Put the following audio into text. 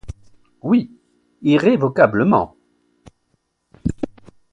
Oui, irrévocablement.